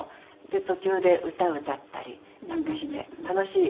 で途中で歌を歌ったりなんかして楽しい。